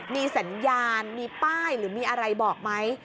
มีสัญญาณมีป้ายหรือมีอะไรบอกไหม